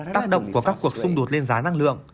tác động của các cuộc xung đột lên giá năng lượng